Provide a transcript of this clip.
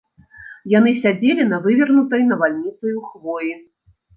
Яны сядзелі на вывернутай навальніцаю хвоі.